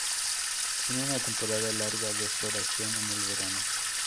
Tiene una temporada larga de floración en el verano.